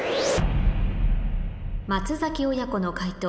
松崎親子の解答